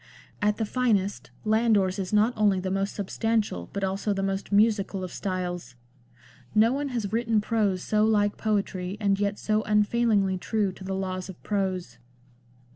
At the finest Landor's is not only the most substantial but also the most musical of styles. No one has written prose LANDOR. xxi so like poetry and yet so unfailingly true to the laws of prose.